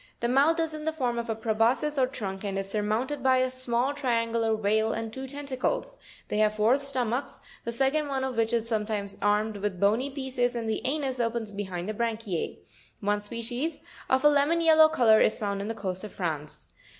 The mouth is in the form of a preboscis or trunk, and is surmounted by a small triangular veil, and two tentacles; they have four stomachs, the second one of which is sometimes armed with bony pieces, and the anus opens behind the branchiz. One species, of a lemon yellow colour, is found on the coasts of France.